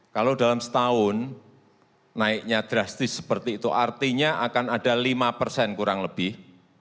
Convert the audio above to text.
kalau dalam setahun naiknya drastis seperti itu artinya akan ada lima persen kurang lebih